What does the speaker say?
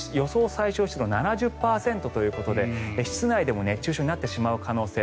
最小湿度７０％ということで室内でも熱中症になってしまう可能性